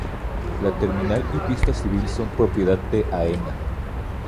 La terminal y pista civil son propiedad de Aena.